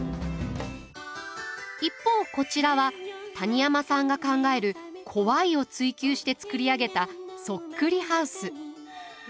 一方こちらは谷山さんが考える「怖い」を追求して作り上げた「そっくりハウス」。